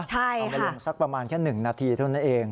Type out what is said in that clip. ใช่ค่ะเอามีลงสักประมาณแค่หนึ่งนาทีเท่านั้นเอง